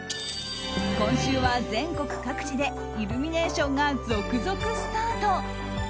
今週は全国各地でイルミネーションが続々スタート。